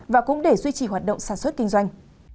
và cũng để duy trì hoạt động sản xuất kinh doanh